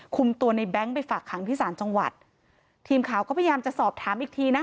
คุมตัวในแบงค์ไปฝากขังที่ศาลจังหวัดทีมข่าวก็พยายามจะสอบถามอีกทีนะ